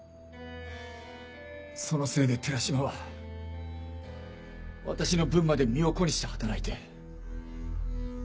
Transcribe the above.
そのせいで寺島は私の分まで身を粉にして働いて。